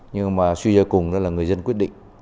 nhưng mà suy ra cùng là người dân quyết định